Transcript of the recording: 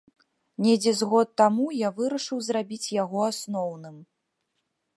Недзе з год таму я вырашыў зрабіць яго асноўным.